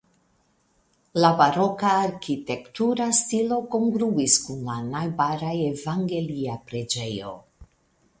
La baroka arkitektura stilo kongruis kun la najbara evangelia preĝejo.